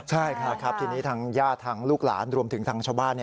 ใช่ครับทีนี้ทางญาติทางลูกหลานรวมถึงทางชาวบ้าน